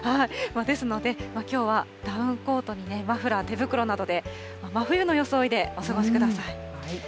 ですので、きょうはダウンコートにね、マフラー、手袋などで真冬の装いでお過ごしください。